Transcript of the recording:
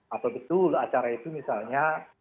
apa betul acara itu misalnya